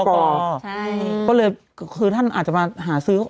ก็เลยคือท่านอาจจะมาหาซื้อ